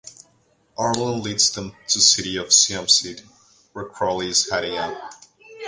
Arlen leads them to city of Siam-Sid, where Crowley is hiding out.